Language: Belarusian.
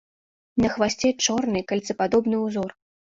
На хвасце чорны кольцападобны ўзор.